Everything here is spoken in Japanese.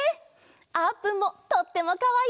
あーぷんもとってもかわいい！